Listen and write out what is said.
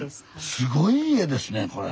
すごい家ですねこれ。